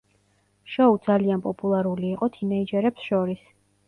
შოუ ძალიან პოპულარული იყო თინეიჯერებს შორის.